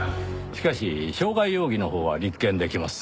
しかし傷害容疑のほうは立件できます。